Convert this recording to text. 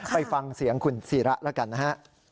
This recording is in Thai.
ไปฟังเสียงคุณศิระแล้วกันนะฮะ